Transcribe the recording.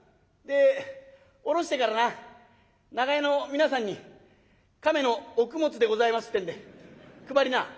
で下ろしてからな長屋の皆さんに亀のお供物でございますってんで配りな」。